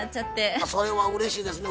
それはうれしいですね